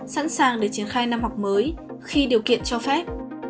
sẵn sàng để triển khai năm học mới khi điều kiện cho phép